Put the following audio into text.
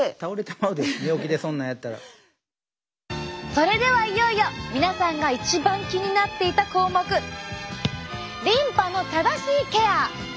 それではいよいよ皆さんが一番気になっていた項目「リンパの正しいケア」！